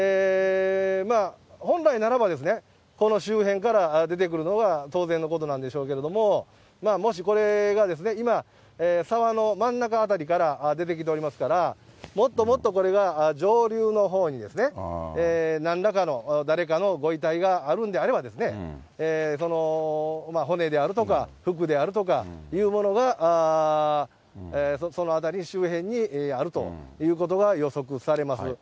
本来ならば、この周辺から出てくるのは当然のことなんでしょうけど、もしこれが今、沢の真ん中辺りから出てきておりますから、もっともっとこれが上流のほうに、なんらかの誰かのご遺体があるのであれば、骨であるとか、服であるとかいうものがその辺り周辺にあるということは予測されます。